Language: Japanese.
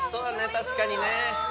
確かにね